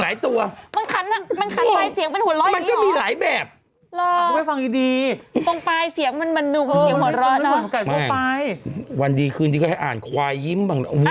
บ้านเติมเป็นคนเดียวบ้านเลี้ยงไก่มันอาจหรือยังกินตั้งหลายตัว